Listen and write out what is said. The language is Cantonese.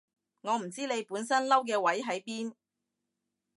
我唔知你本身嬲嘅位喺邊